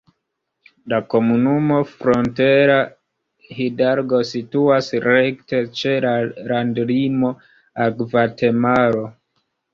La komunumo Frontera Hidalgo situas rekte ĉe la landlimo al Gvatemalo.